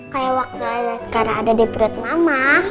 kayak wak gala sekarang ada di perut mama